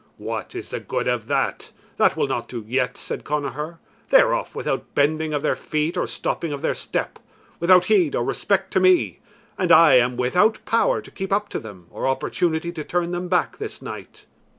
"What is the good of that? that will not do yet," said Connachar. "They are off without bending of their feet or stopping of their step, without heed or respect to me, and I am without power to keep up to them or opportunity to turn them back this night."